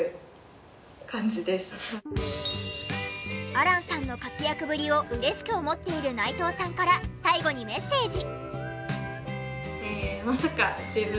亜嵐さんの活躍ぶりを嬉しく思っている内藤さんから最後にメッセージ。